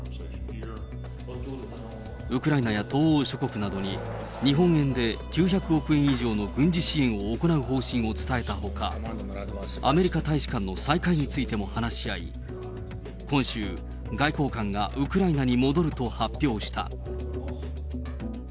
ウクライナや東欧諸国などに、日本円で９００億円以上の軍事支援を行う方針を伝えたほか、アメリカ大使館の再開についても話し合い、今週、外交官がウクライナに戻ると発表した。